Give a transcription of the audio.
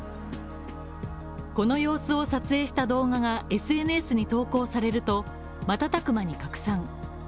この様子を撮影した動画がＳＮＳに投稿されると、瞬く間に拡散。